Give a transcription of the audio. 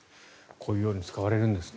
こういうように使われるんですね。